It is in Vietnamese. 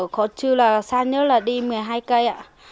có chứ là xa nhớ là đi một mươi hai cây ạ